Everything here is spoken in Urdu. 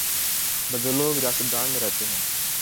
بدو لوگ ریگستان میں رہتے ہیں۔